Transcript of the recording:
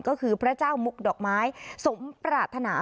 ก็คือพระเจ้ามุกดอกไม้สมปรารถนา